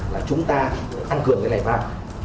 là chúng ta phải tăng cường cái giải pháp